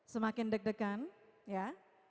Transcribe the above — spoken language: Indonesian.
semakin deg degan ya